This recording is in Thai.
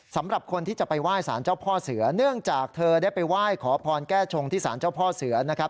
สำหรับคนที่จะไปไหว้สารเจ้าพ่อเสือเนื่องจากเธอได้ไปไหว้ขอพรแก้ชงที่สารเจ้าพ่อเสือนะครับ